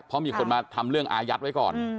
เพราะมีคนมาทำเรื่องอายัดไว้ก่อน